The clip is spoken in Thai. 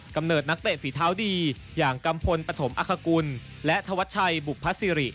เนิดนักเตะฝีเท้าดีอย่างกัมพลปฐมอคกุลและธวัชชัยบุพศิริ